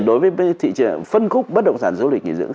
đối với phân khúc bất động sản du lịch nghỉ dưỡng